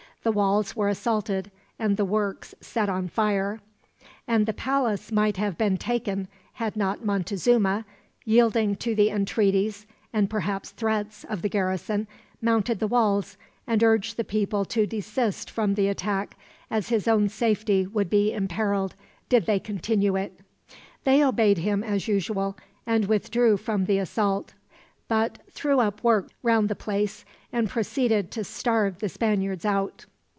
The walls were assaulted, and the works set on fire, and the palace might have been taken had not Montezuma, yielding to the entreaties and perhaps threats of the garrison, mounted the walls, and urged the people to desist from the attack, as his own safety would be imperiled did they continue it. They obeyed him as usual, and withdrew from the assault; but threw up works round the place, and proceeded to starve the Spaniards out.